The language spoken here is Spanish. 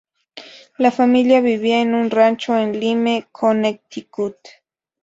La familia vivía en un rancho en Lyme, Connecticut.